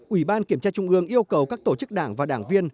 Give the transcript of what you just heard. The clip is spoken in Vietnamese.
ủy ban kiểm tra trung ương yêu cầu các tổ chức đảng và đảng viên